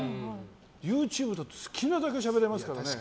ＹｏｕＴｕｂｅだと好きなだけしゃべれますからね。